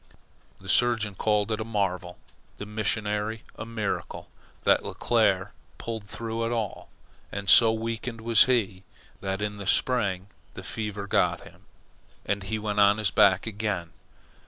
The surgeon called it a marvel, the missionary a miracle, that Leclere pulled through at all; and so weakened was he, that in the spring the fever got him, and he went on his back again.